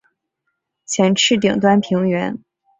前翅顶端平圆。